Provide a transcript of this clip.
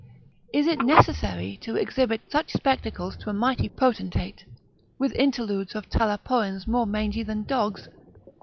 Is it necessary to exhibit such spectacles to a mighty potentate, with interludes of Talapoins more mangy than dogs?